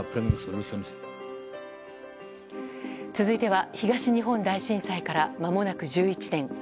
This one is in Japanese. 続いては東日本大震災からまもなく１１年。